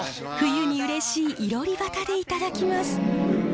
冬にうれしいいろり端でいただきます。